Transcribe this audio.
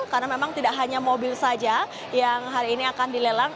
karena memang tidak hanya mobil saja yang hari ini akan dilelang